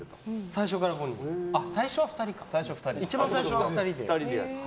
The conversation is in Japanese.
一番最初は２人です。